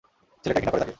ছেলেটা ঘৃণা করে তাকে।